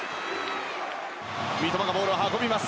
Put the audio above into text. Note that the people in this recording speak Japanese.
三笘がボールを運びます。